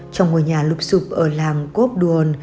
trong ngôi nhà lục xụp ở làng cô úc đuôn